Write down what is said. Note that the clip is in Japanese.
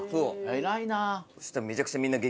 偉いなぁ。